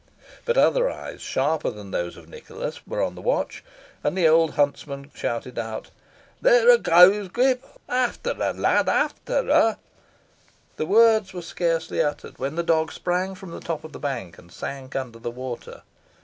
But other eyes, sharper than those of Nicholas, were on the watch, and the old huntsman shouted out, "There hoo goes, Grip efter her, lad, efter her!" The words were scarcely uttered when the dog sprang from the top of the bank and sank under the water.